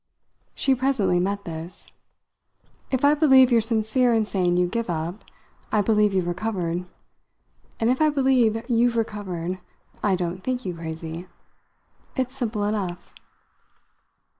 She presently met this. "If I believe you're sincere in saying you give up I believe you've recovered. And if I believe you've recovered I don't think you crazy. It's simple enough."